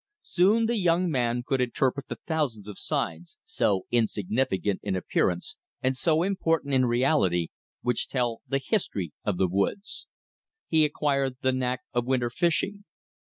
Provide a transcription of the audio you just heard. Soon the young man could interpret the thousands of signs, so insignificant in appearance and so important in reality, which tell the history of the woods. He acquired the knack of winter fishing.